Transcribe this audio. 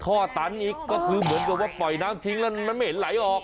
ตันอีกก็คือเหมือนกับว่าปล่อยน้ำทิ้งแล้วมันไม่เห็นไหลออก